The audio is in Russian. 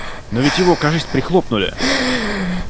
Но ведь его кажись прихлопнули?